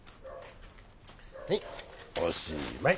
はいおしまい。